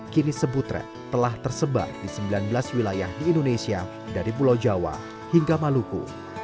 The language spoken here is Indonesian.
kini sebutret telah tersebar di sembilan belas wilayah di indonesia dari pulau jawa hingga maluku